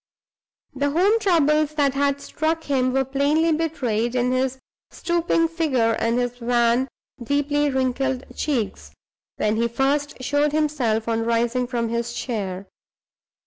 The home troubles that had struck him were plainly betrayed in his stooping figure and his wan, deeply wrinkled cheeks, when he first showed himself on rising from his chair.